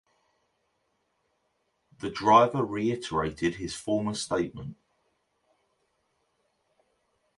The driver reiterated his former statement.